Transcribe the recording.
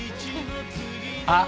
あっ！